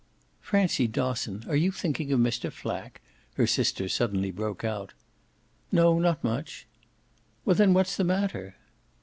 "Francie Dosson, are you thinking of Mr. Flack?" her sister suddenly broke out. "No, not much." "Well then what's the matter?"